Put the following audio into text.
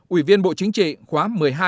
ủy viên bộ chính trị khóa một mươi hai một mươi ba